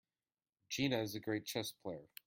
Gina is a great chess player.